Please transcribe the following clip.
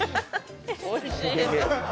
おいしい。